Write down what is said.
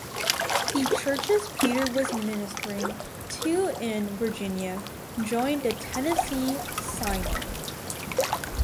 The churches Peter was ministering to in Virginia joined the Tennessee Synod.